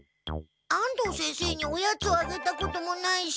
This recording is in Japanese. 安藤先生におやつをあげたこともないし。